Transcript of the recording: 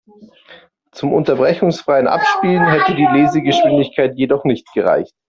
Zum unterbrechungsfreien Abspielen hätte die Lesegeschwindigkeit jedoch nicht gereicht.